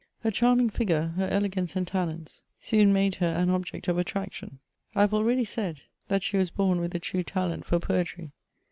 Her charming figure, her elegance and talents soon made her an object of attraction. I have already said that she was bom CHATEAUBRIAND. 153 with a true talent for poetry.